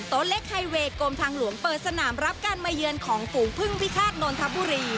เล็กไฮเวย์กรมทางหลวงเปิดสนามรับการมาเยือนของฝูงพึ่งพิฆาตนนทบุรี